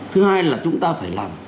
thứ hai là chúng ta phải làm